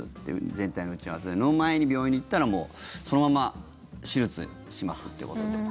全体の打ち合わせの前に病院に行ったらもうそのまま手術しますということで。